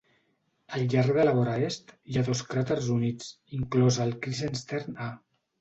Al llarg de la vora est hi ha dos cràters units, inclòs el Krusenstern A.